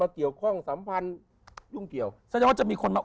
และมีคนมาเกี่ยวของสัมพันธ์